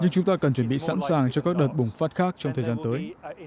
nhưng chúng ta cần chuẩn bị sẵn sàng cho các đợt bùng phát khác trong thời gian tới